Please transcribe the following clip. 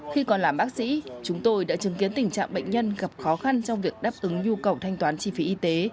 khi còn làm bác sĩ chúng tôi đã chứng kiến tình trạng bệnh nhân gặp khó khăn trong việc đáp ứng nhu cầu thanh toán chi phí y tế